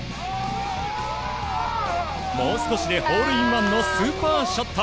もう少しでホールインワンのスーパーショット。